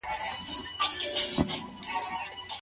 که ته غواړې ویډیو فارمټ بدل کړي نو کنورټر ته اړتیا لري.